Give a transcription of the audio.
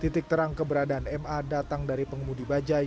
titik terang keberadaan ma datang dari pengemudi bajai